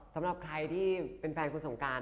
สำหรับใครที่เป็นแฟนคุณสงการ